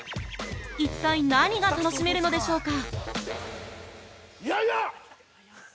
一体何が楽しめるのでしょうか。